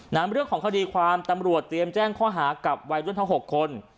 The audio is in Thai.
นำเรื่องของคดีความตำรวจเตรียมแจ้งข้อหากับวัยรุ่นทั้ง๖คน